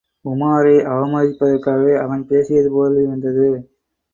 உமாரை அவமதிப்பதற்காகவே அவன் பேசியது போலிருந்தது.